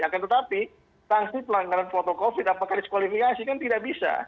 akan tetapi sanksi pelanggaran foto covid apakah diskualifikasi kan tidak bisa